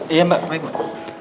iya mbak baik proh